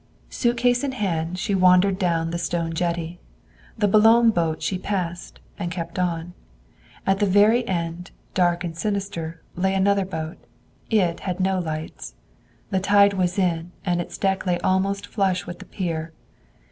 Suitcase in hand she wandered down the stone jetty. The Boulogne boat she passed, and kept on. At the very end, dark and sinister, lay another boat. It had no lights. The tide was in, and its deck lay almost flush with the pier.